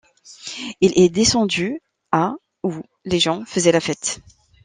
Il est descendu à où les gens faisaient la fête.